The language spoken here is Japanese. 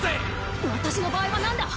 私の場合は何だ？